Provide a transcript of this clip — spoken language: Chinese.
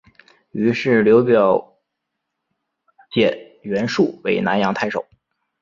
于是刘表荐袁术为南阳太守。